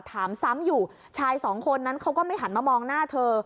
ถามซ้ำอยู่ชายสองคนนั้นเขาก็ไม่หันมามองหน้าเธอ